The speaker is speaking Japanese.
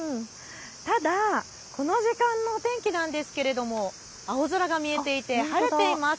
ただこの時間のお天気ですが青空が見えていて晴れています。